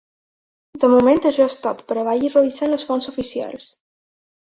De moment això és tot però vagi revisant les fonts oficials.